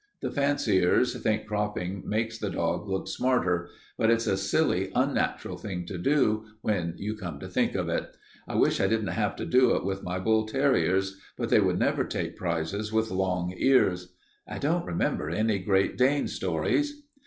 The fanciers think cropping makes the dog look smarter, but it's a silly, unnatural thing to do, when you come to think of it. I wish I didn't have to do it with my bull terriers, but they would never take prizes with long ears. I don't remember any Great Dane stories.